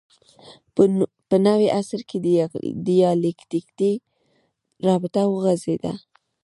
په نوي عصر کې دیالکتیکي رابطه وغځېده